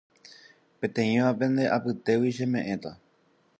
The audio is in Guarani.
Peteĩva pende apytégui cheme'ẽta